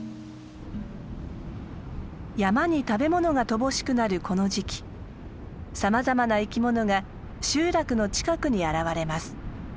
山に食べ物が乏しくなるこの時期さまざまな生きものが集落の近くに現れます。